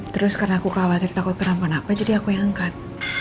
terus karena aku khawatir takut kenapa napa jadi aku yang angkat